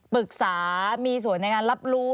ปรึกษามีส่วนในการรับรู้